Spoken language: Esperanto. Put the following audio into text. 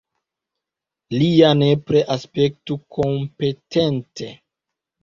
Li ja nepre aspektu kompetente.